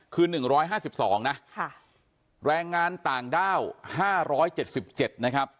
คือหนึ่งร้อยห้าสิบสองนะค่ะแรงงานต่างด้าวห้าร้อยเจ็ดสิบเจ็ดนะครับ